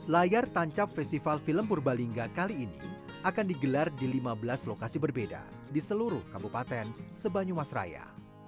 layar tancap festival film purbalingga kali ini akan digelar di lima belas lokasi berbeda di seluruh kabupaten sebanyumas raya